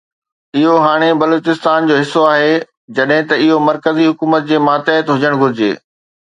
اهو هاڻي بلوچستان جو حصو آهي جڏهن ته اهو مرڪزي حڪومت جي ماتحت هجڻ گهرجي.